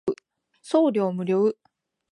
送料無料